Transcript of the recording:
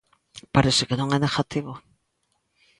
Parece que non é negativo.